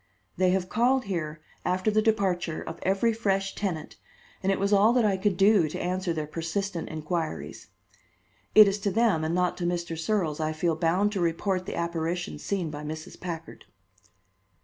They have called here after the departure of every fresh tenant, and it was all that I could do to answer their persistent inquiries. It is to them and not to Mr. Searles I feel bound to report the apparition seen by Mrs. Packard."